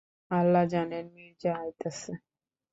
আল্লাহ জানেন, মির্জা আইতাসে।